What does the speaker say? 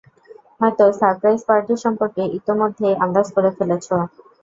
হয়তো surprise party সম্পর্কে ইতোমধ্যেই আন্দাজ করে ফেলেছ!